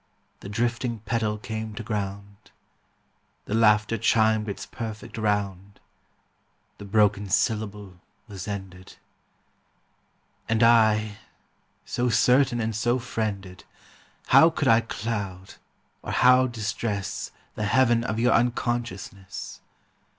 The drifting petal came to ground. The laughter chimed its perfect round. The broken syllable was ended. And I, so certain and so friended, How could I cloud, or how distress, The heaven of your unconsciousness